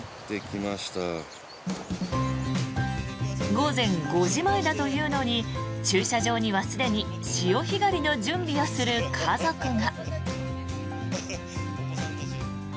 午前５時前だというのに駐車場にはすでに潮干狩りの準備をする家族が。